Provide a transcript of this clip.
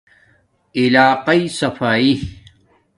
علاقایݷ صفایݵ